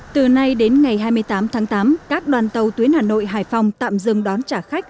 từ nay đến ngày hai mươi tám tháng tám các đoàn tàu tuyến hà nội hải phòng tạm dừng đón trả khách